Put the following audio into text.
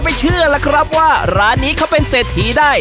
เชื่อล่ะครับว่าร้านนี้เขาเป็นเศรษฐีได้